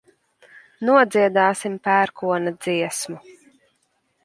Nodziedāsim pērkona dziesmu.